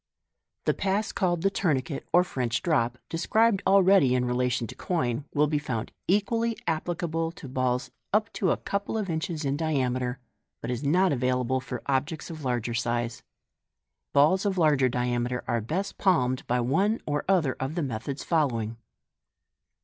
The Pass called the tourniquet, or " French drop," described already in relation to coin, will be found equally applicable to balls up to a couple of inches in diameter, but is not available for objects of larger size. Balls of larger diameter are best palmed by one or other of the methods following.